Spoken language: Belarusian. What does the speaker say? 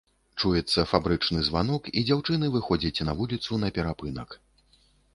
Чуецца фабрычны званок і дзяўчыны выходзяць на вуліцу на перапынак.